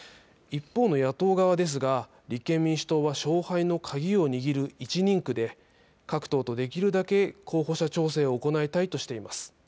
一方の野党側ですが立憲民主党は勝敗の鍵を握る１人区で各党とできるだけ候補者調整を行いたいとしています。